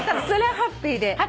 それはハッピーで？